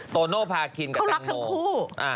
โตโน่พากินกับแตงโมเขารักทั้งคู่